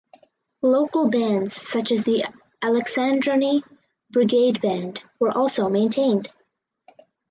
Local bands such as the Alexandroni Brigade Band were also maintained.